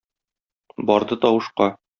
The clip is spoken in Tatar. Барды тавышка.